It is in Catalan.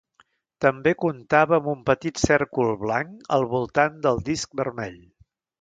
També comptava amb un petit cèrcol blanc al voltant del disc vermell.